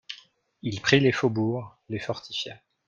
Il prit les faubourgs, les fortifia.